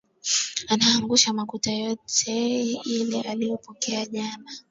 Anangusha makuta yote ile alipokea jana